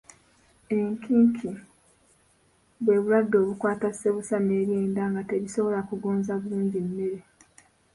Enkiki bwe bulwadde obukwata ssebusa n’ebyenda nga tebisobola kugonza bulungi mmere.